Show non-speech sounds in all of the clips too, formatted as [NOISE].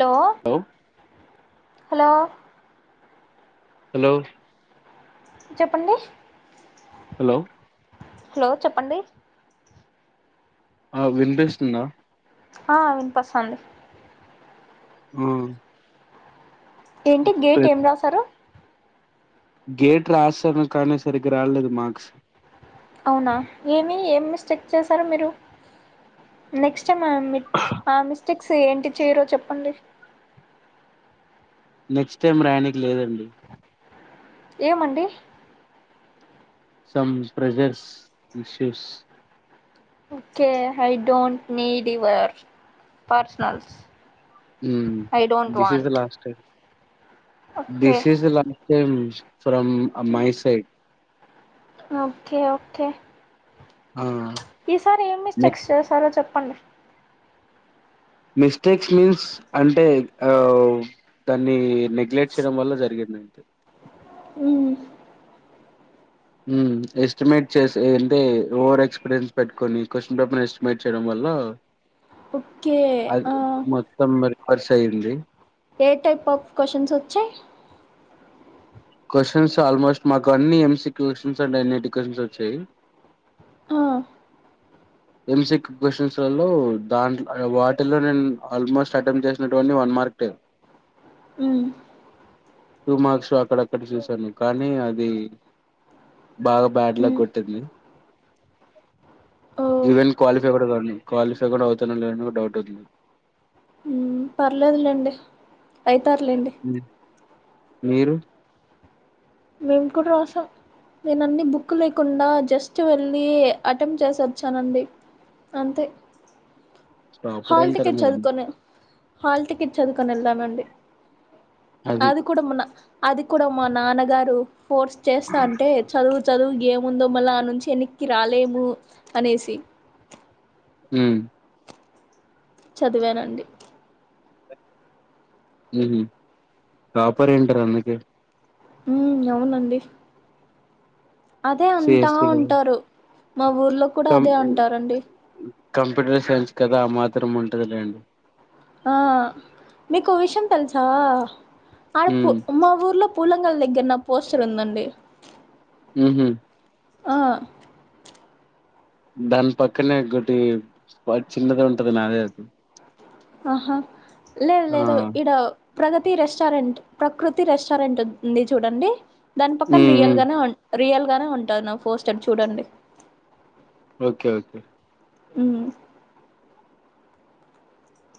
లో hello hello hello చెప్పండి hello hello చెప్పండి ఆ వినిపిస్తుంద ఆ వినిపోస్తంది ఊ ఏంటి గేట్ ఏం రాసారు గేట్ రాశాను కానీ సరిగ్గా రాలేదు మార్క్స్ అవునా ఏమి ఏం మిస్టేక్ చేశారు మీరు నెక్స్ట్ టైం ఆ మిట్ ఆ మిస్టేక్స్ ఏంటి చేయరో చెప్పండి నెక్స్ట్ టైం రాయానీకి లేదండి ఏం అండి some pressures issues okay I don't need your personals um I don't this is the want last time okay this is the law tense from a my side okay okay ఈసారి ఏం mistakes చేసారో చెప్ ప్పండి mistakes means అంటే అ దాన్ని neglect చేయడం వల్ల జరిగింది మ్ మ్ estimate చేస ఏంటే ఓవర్ ఎక్స్పీరియన్స్ పెట్టుకొని, క్వశ్చన్ పేపర్ ఎస్టిమేట్ చేయడం వల్ల ఓకే ఆ వర్సైయ్యింది ఏ టైప్ ఆఫ్ క్వశ్చన్స్ వచ్చాయి కొషన్స్ ఆల్మోస్ట్ మాకు అన్నీ ఎం సీ క్యు క్వశ్చన్స్ అండి అన్ని టి క్వశ్చన్స్ వచ్చాయి ఆ ఎంసిక్ క్వశ్చన్స్లలో దాంట్ వాటిలో నేను ఆల్మోస్ట్ అటెంప్ట్ చేసినటువంటి వన్ మార్క్ లేే మ్ టూ మార్క్స్ అక్కడక్కడ చూశాను కానీ అది బాగా బ్యాడ్ మ్మ్ లక్కొట్టింది ఓ ఇవెన్ క్వాల్లిఫై కూడా గాని క్వాలిఫై కూడా అవుతాన లేని డౌట్ అవుతు పర్లేదులెండి అయితర్లేండి ఉమ్. మీరు మేము కూడా రసాం, నేను అన్ని బుక్ లేకుండా జస్ట్ వెళ్ళి అటెంప్ట్ చేస వచ్చానండి అంతే టాపర్ హల్ అంటారు తికేట్ మీరు అందుకే. చదువుకొనే హాల్టికిట్ చదువుకని వెళ్దామండి అది కూడా మన అది కూడా మా నాన్నగారు రూ ఫోర్స్ చేస్తంటే చదువు చదువు ఏముందో మళ్ళా ఆడ్ నుంచి ఎనక్కి రాలేము అనేసి హుమ్ చదివానండి హుమ్ టాపర్ అయ్యింటార్ అందుకే హుమ్ అవునండి అదే అంటా సిఎస్సి కదా ఉంటారు. మా ఊర్లో కూడా కం అదే అంటారండి. కంప్యూటర్ సైన్స్ కదా మాత్రం ఉంటదిలేండి. ఆ మీకు విషయం తెలుసా ఆడ ఉమ్ మా ఊర్లో పూలంగల దగ్గరన పోస్టర్ ఉందండి. ఉహు ఆ దాని పక్కనే ఒకటి చిన్నద ఉంటది నాదే ఆది ఆహా లేదు లేదు ఇడ ప్రగతి రెస్టారెంట్ ప్రకృతి రెస్టారెంట్ ఉంది చూడండి. దాని పక్కన ఉమ్ రియల్ ఉమ్ గానే రియల్ గానే ఉంటుంది నా పోస్టర్ చూడండి. ఓకే ఓకే హు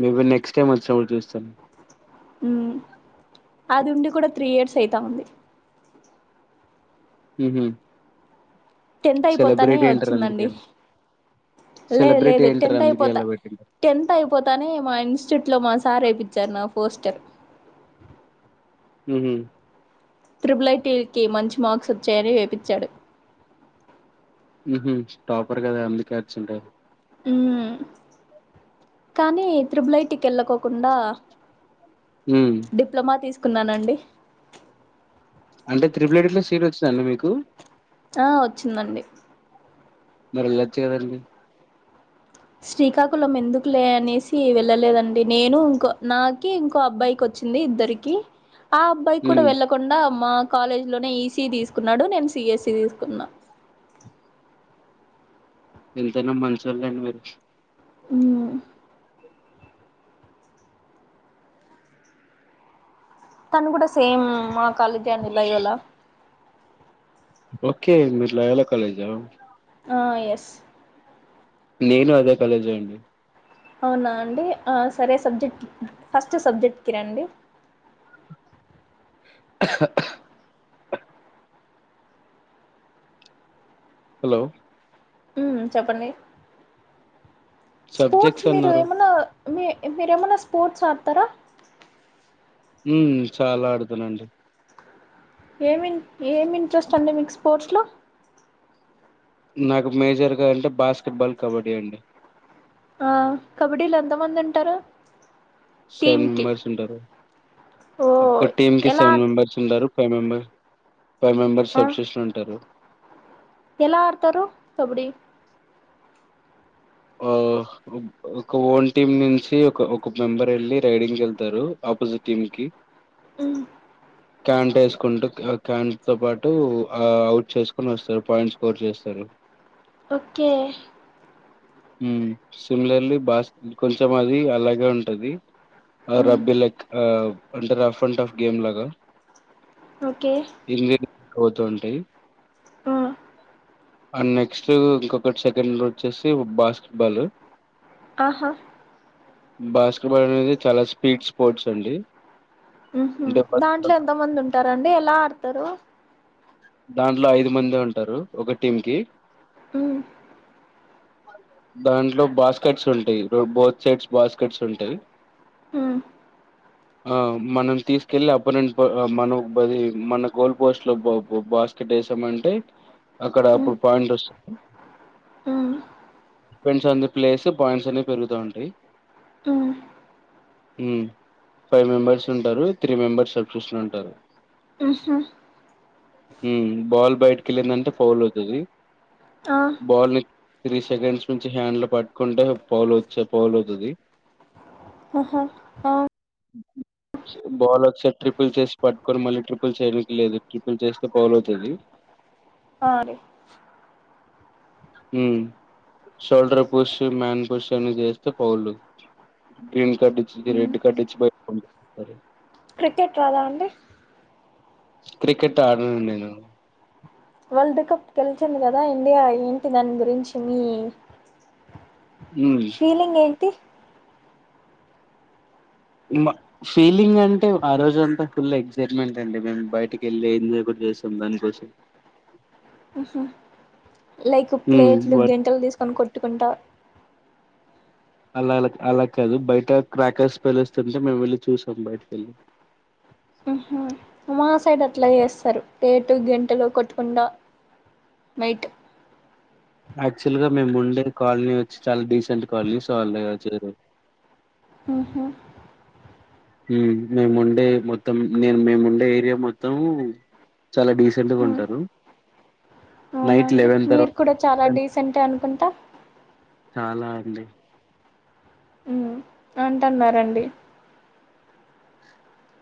మేబీ నెక్స్ట్ టైమ్ వచ్చినప్పుడు చూస్తాలే హు అది ఉండి కూడా త్రీ ఇయర్స్ అయితా ఉంది. ఉహు టెన్త్ అయిపోతానే సెలబ్రిటీ అంటారు వచ్చిందండి అందుకే లేదు సెలబ్రిటీ లేదు అంటారు టెన్త్ అందుకే అయిపోతా అలా పెట్టింటారు టెన్త్ అయిపోతానే మా ఇన్స్టిట్యూట్ మా సార్ ఎపిచ్చారు నా పోస్టర్ హు ట్రిబుల్ఐటీకి మంచి మార్క్స్ వచ్చాయని వేపించాడు. హు టాపర్ కదా అందుకే వచ్చంటే హు కానీ త్రిబులైటికి వెళ్ళక కుండా ఉమ్ డిప్లొమా తీసు ఉన్నానండి. అంటే త్రిపులైట్ట్లో సీట్ వచ్చందండి మీకు ఆ వచ్చిందండి. మరి వెళ్ళొచ్చు కదా అండి శ్రీకాకుళం ఎందుకు లే అనేసి వెళ్ళలేదండి నేను ఇంకో నాకి ఇంకో అబ్బాయికి వచ్చింది ఇద్దరికి ఆ అబ్బాయి కూడా ఉమ్ వెళ్ళలకుండా మా కాలేజ్ లోనే ఈసీ తీసుకున్నాడు నేను సిఎస్సి తీసుకున్నా ఎంతైనా మంచోళ్ళు లేండి మీరు హు తను కూడా కూడా సేమ్ మ కలు [UNINTELLIGIBLE] వాలా ఓకే మీరూ లయోలా కాలేజా ఆ ఎస్ నేను అదే కాలేజా అండి. అవునా అండి సరే సబ్జెక్ట్ ఫస్ట్ సబ్జెక్ట్కి రండి. హలో హుమ్ చెప్పండి స్పోర్ట్స్ సబ్జెక్ట్స్ మీరు అన్నారు ఏమన్నా మీ మీరేమన్నా స్పోర్ట్స్ ఆడతార హుమ్ హు చాలా ఆడతానండి ఏమి ఏమ్ ఇంట్రెస్ట్ అండి మీకు స్పోర్ట్స్ లో నాకు మేజర్గా అంటే బాస్కెట్బాల్ కబడ్డీ అండి ఆ కబడ్డీలో ఎంత మంది ఉంటారు సెవెన్ టీమ్ కి మెంబెర్స్ ఉంటారు ఓ ఒక టీం కి ఎలా సెవెన్ ఆడ్- మెంబర్స్ ఉంటారు ఫైవ్ మెంబర్ ఫైవ్ మెంబర్స్ ఆ సబ్సిషన్ ఉంటారు ఎలా ఆడ్తరు కబడ్డీ ఆ ఒక ఓల్ టీమ్ నుంచి ఒక ఒక మెంబర్ వెళ్ళి రైడింగ్ ఎళ్తరు ఆపోజిట్ టీం కి మ్మ్ క్యాంట్ వేసుకుంటూ క్యా క్యాంట్ తో పాటు ఆ అవుట్ చేసుకొని వస్తారు పాయింట్ స్కోర్ చేస్తారు ఓకే సిమిలర్లీ బాశ్ కొంచెం అది అలాగే ఉంటది ఆ మ్మ్ రబ్బిలైక్ ఆ అంటే రఫ్ అండ్ ఆఫ్ గేమ్ లాగా ఓకే పోతూంటయి ఆ అ నెక్స్ట్ ఇంకొకటి సెకండ్ వచ్చేసి బాస్కెట్ బాల్ ఆహా బాస్కెట్బాల్ అనేది చాలా స్పీడ్ స్పోర్ట్స్ అండి మ్ హు అంటే ఫస్ట్ దాంట్లో ఎంత మంది ఉం టారండీ ఎలా ఆడతారు దాంట్లో ఐదు మంది ఉంటరు ఒక టీం కి మ్మ్ దాంట్లో బాస్కెట్స్ ఉంటాయి [UNINTELLIGIBLE] బోత్ సైడ్స్ బాస్కెట్స్ ఉంటాయి మ్మ్ ఆ మనం తీసుకెళ్ళి అపోనెంట్ పో మనో బది మన గోల్ పోస్ట్ లో బ బ బాస్కెట్ వేసామంటే అక్కడ మ్మ్ అప్పుడు పాయింట్ వస్త [INAUDIBLE] మ్మ్ depends on the place points అనే పెరుగుతా ఉంటాయి మ్మ్ మ్ ఫైవ్ మెంబెర్స్ ఉంటారు త్రీ మెంబెర్స్ సబ్స్టిట్యూషన్ ఉంటరు ఆహా మ్ బాల్ బయటికి వెళ్ళిందంటే ఫౌల్ అవుతది ఆ బాల్ని త్రీ సెకండ్స్ నుంచి హ్యాండ్లు పట్టుకుంటే పౌలు వచ్చే పౌల్ అవుతుంది ఆహా ఆ బాల్ ఒకసారి ట్రిపుల్ చేసి పట్టుకొని మళ్ళీ ట్రిపుల్ చేయనికి లేదు ట్రిపుల్ చేస్తే పౌల్ అవుతది ఆరి ఉమ్ షోల్డర్ పుష్ మ్యాన్ పుష్ అన్ని చేస్తే పౌలు గ్రీన్ కట్టిచ్చి మ్మ్ రెడ్ కట్ ఇచ్చి [UNINTELLIGIBLE] క్రికెట్ రాదా అండి క్రికెట్ ఆడను నేను వరల్డ్ కప్ గెలిచింది కదా ఇండియా ఏంటి దాని గురించి మీ ఉమ్ ఫీలింగేం టి ఉం ఆ ఫీలింగ్ అంటే ఆ రోజు అంతా ఫుల్ ఎగ్సైట్మెంట్ అండి మేము బయటకి వెళ్ళి ఎంజాయ్ కూడా చేశాం దానికోసం ఊహూ లైక్ ప్లేట్లు ఉమ్ గెంటెలు తీసుకొని కొట్ ట్టుకుంటా అలా అలా అలా కాదు బయట క్రాకర్స్ పేలుస్తుంటే మేము వెళ్ళి చూసాం బయటకెళ్ళి ఉహు మా సైడ్ అట్లా చేస్తారు ప్లేటు గెంటెలు కొట్టకుంటా నైట్ యాక్చువల్ గా మేము ఉండే కాలనీ వచ్చి చాలా డీసెంట్ కాలనీ సో అలా చెయ్యరు ఊహూ ఊ మేముండే మొత్తం నేను మేముండే ఏరియా మొత్తం చాలా డీసెంట్ గా ఉ ఉంటారు నైట్ లెవెన్ మీరు తర్వాత కూడా చాలా డీసెంట్ అనుకుంటా చాలా అండి అంటన్నారండి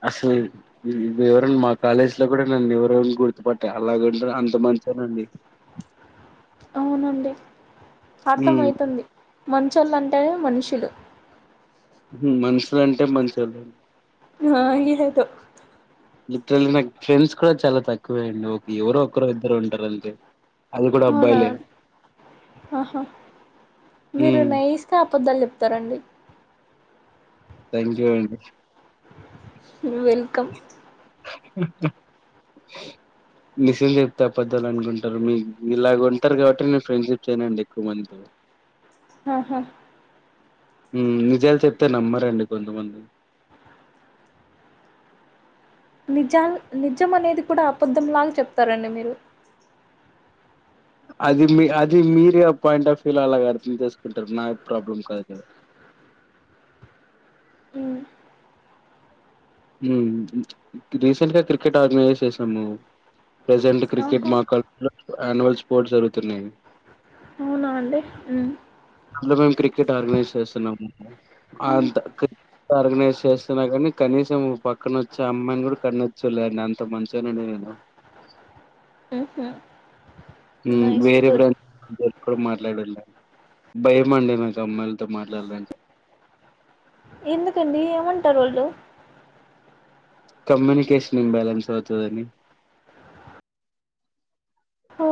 అస ఎవరన్నా మా కాలేజీ లో కూడా నన్నెవరెవరో గుర్తుపట్టా అలాగంటరు అంత మంచోనండి అర్థం ఉమ్, అయితుంది మంచోళ్ళంటే మనుషులు మనుషులంటే మంచోళ్ళు మాంగీరోతో లిటరల్లీ నాకు ఫ్రెండ్స్ కూడా చాలా తక్కువే అండి ఒక ఎవరో ఒకరో ఇద్దరో ఉంటారు అంతే అది కూడా అవునా అబ్బాయిలే ఆహా మీరు నైస్ గా కధలు చెప్తారండి థ్యాంక్ యు అండి వెల్కమ్ నిజం చెప్తా పెద్దలు అనుకుంటారు మీ ఇలాగ ఉంటారు కాబట్టి నేను ఫ్రెండ్షిప్ చేయనండి ఎక్కువ మందితో ఆహా మ్ నిజాలు చెప్తే నమ్మరండి కొంతమంది నిజాలు నిజం అనేది కూడా అబద్ధంలాగా చెప్తారండి మీరు అది మీ అది మీరే ఆ పాయింట్ ఆఫ్ వ్యూ లో అలాగ అర్థం చేసుకుంటారు నా ప్రాబ్లం కాదు హ్మ్. మ్ రీసెంట్ గా క్రికెట్ ఆర్గనైజ్ చేసాము ప్రజెంట్ క్రికెట్ ఆహా మా [INAUDIBLE] యానుయేల్ స్పోర్ట్స్ జరుతున్నాయి అవునా అండి ఉమ్ అంటె మేము క్రికెట్ ఆర్గనైజ్ చేస్తున్నాము ఉమ్ ఆంత [INAUDIBLE] ఆర్గనైజ్ చేస్తున్నా కానీ కనీసం పక్కన వచ్చే అమ్మాయిని కూడా కన్నోచ్ చూలేండి అంత మంచోనండి నేను ఉహు మ్ నైస్ వేరే గుడ్ బ్రాం క్కడ మాట్లాడేలే భయం అండి నాకు అమ్మాయిలతో మాట్లాడలంటె ఎందుకండి ఏమంటారు వాళ్ళు కమ్యూనికేషన్ ఇంబ్యాలెన్స్ అవుతదని ఓ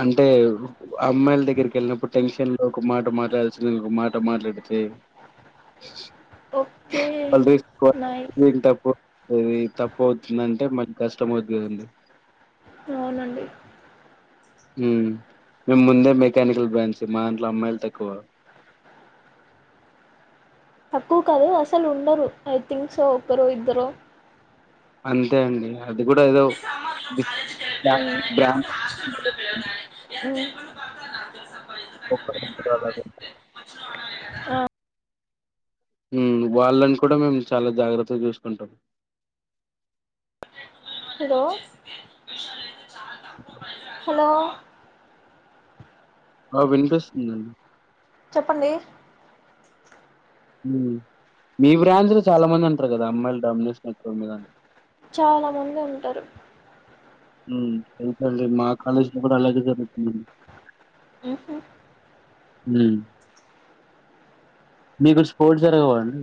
అంటే అమ్మాయిల దగ్గరికి వెళ్ళినప్పుడు టెన్షన్ లో ఒక మాట మాట్లాడాల్సింది ఇంకోమాట మాట్లాడితే ఓకే [UNINTELLIGIBLE] నైస్ ఏం తప్పు ఇది తప్పు అవుతుందంటే మళ్ళి కష్టం అవుద్ కదండి అవునండి హుమ్ మేము ముందే మెకానికల్ బ్రాంచ్ మా దాంట్ల అమ్మాయిలు తక్కువ తక్కువ కాదు అసలు ఉండరు ఐ థింక్ సో ఒకరో ఇద్దరో అంతే అండి అది కూడా ఏదో బ్ర హ్మ్. బ్రా హ్మ్. ఒకర్ ఇద్దరు అలాగ ఆ! హు, వాళ్ళన్ కూడా మేము చాలా జాగ్రత్తగా చూసుకుంటం. హలో హలో ఆ వినిపిస్సుదండి. చెప్పండి. హు, మీ బ్రాంచ్ లో చాలా మంది అంట్రు కదా అమ్మాయిలు దమ్ నస్ క మీద చాలా మంది ఉంటరు. హు, తెలుసండి మా కాలేజ్ లో కూడా అలాగే జరుతుందండి. ఉహు హు, మీకు స్పోర్ట్స్ జరగవ అండి.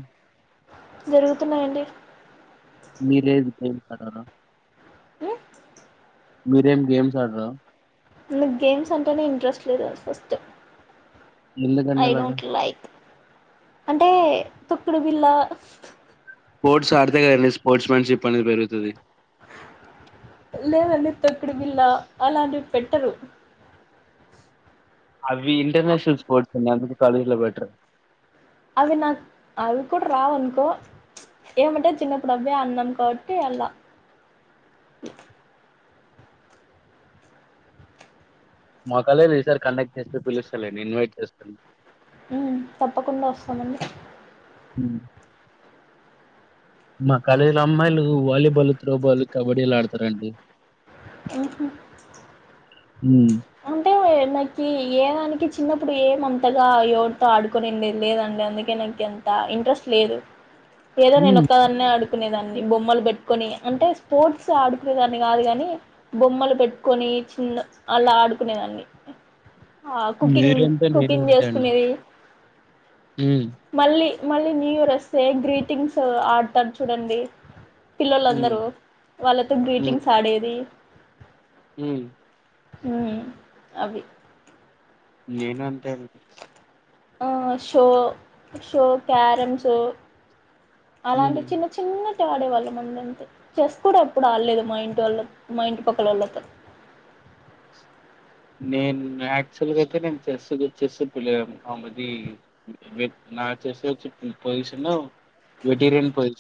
జరుగుతున్నాయండి. మీరేది గెమ్ అ ఏ మీరేం గేమ్స్ ఆడ్రా నాక్ గేమ్స్ అంటేనే ఇంట్రెస్ట్ లేదు ఫస్ట్ ఐ ఎందుకండి అలాగా? డోంట్ లైక్ అంటే తొక్కుడు బిల్ల స్పోర్ట్స్ ఆడితే కదండి స్పోర్ట్స్ మ్యాన్షిప్ అనేది పెరుతాది. లేదండి తొక్కుడి విల్లా అలాంటివి పెట్టరు. అవి ఇంటర్నేషనల్ స్పోట్ నాంటివి కాలేజ్ లో వెట్రర్ అవి నాక్ అవి కూడా రావనుకో ఏమంటే చిన్నప్పుడు అబ్బే అన్నాం కాబట్టి అలా మా కాలేజ్ లో ఈ సారి కండక్ట్ చేస్సే పిలుస్సాలేని ఇన్వైట్ చేస్తాను. హు, తప్పకుండా వస్సామండి. హు, మా కాలేల్లో అమ్మాయిలు వాలీబాలు, త్రోబాల్, కబడ్డీలు ఆడతారండి. హుహు ఉ ంటే నాకి ఏ దానికి చిన్నప్పుడు ఏమంతగా ఎవరితో ఆడుకునిండిది లేదండి అందుకే నాకింత ఇంట్రెస్ట్ లేదు. ఏదో నేను హ్మ్. ఒక్కదాన్నే అడుకునేదాన్ని బొమ్మలు పె కొని అంటే స్పోర్ట్స్ ఆడుకునే దాన్ని కాదు కాని బొమ్మలు పెట్టుక్కొని చిన్న అలా ఆడుకునేదాన్ని ఆ కుకింగ్ మీరంతే కుకింగ్ నేనంతే అండి. చేసుకునేది. హ్మ్. మళ్ళీ మళ్ళీ న్యూ ఇయర్ వస్తే గ్రీటింగ్స్ ఆడతార్ చూడండి. హ్మ్. పిల్లలందరూ వాళ్ళతో గ్రీటింగ్స్ ఆడేది. హు హు అవి నేను అంతే ఓ షో షో క్యారంమ్ సో అలాంటి హ్మ్ చిన్న చిన్న ఆడేవాళ్ళం మనంతే చెస్ కూడా ఎప్పుడు ఆడలేదు. మా ఇంటి వాళ్ల, మా ఇంటి పక్కల వాల్లతో నేను యాక్చువల్ అయితే నేను చెస్ చెస్ది నా చెస్చ్చి పొజిషన్ వెటీరియన్ పొజిషన్